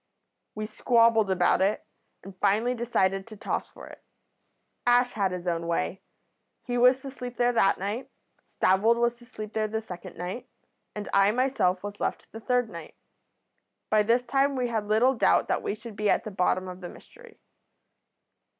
"We squabbled about it, and finally decided to toss for it. Ash had his own way. He was to sleep there that night, Stavold was to sleep there the second night, and I myself was left the third night. By this time we had little doubt that we should be at the bottom of the mystery.